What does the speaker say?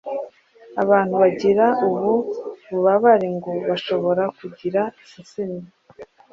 Abantu bagira ubu bubabare ngo bashobora kugira isesemi